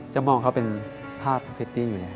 จะมองเขาเป็นภาพเคตตี้อยู่แล้ว